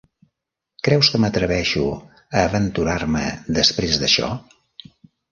Creus que m'atreveixo a aventurar-me després d'això?